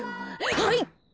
はい。